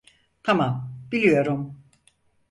Tamam, biliyorum.